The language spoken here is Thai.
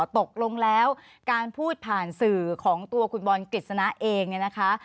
ตกลงแล้วการพูดผ่านสื่อของตัวคุณบอลกฤษณะเองเนี่ยนะคะ